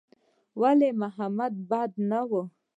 ولي محمد هم بد نه و.